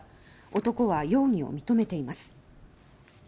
男は容疑を認めています。